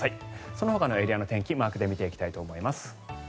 そのほかのエリアの天気マークで見ていきたいと思います。